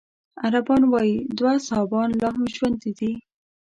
عربان وايي دوه اصحابان لا هم ژوندي دي.